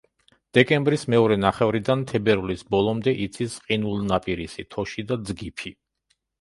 დეკემბრის მეორე ნახევრიდან თებერვლის ბოლომდე იცის ყინულნაპირისი, თოში და ძგიფი.